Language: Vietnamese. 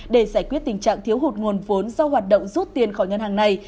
để giải quyết tình trạng thiếu hụt nguồn vốn do hoạt động rút tiền khỏi ngân hàng này